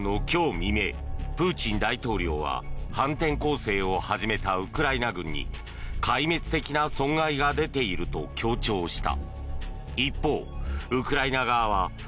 未明プーチン大統領は反転攻勢を始めたウクライナ軍に壊滅的な損害が出ていると強調した。